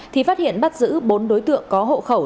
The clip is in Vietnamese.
thì phát hiện bắt giữ bốn đối tượng có hộ khẩu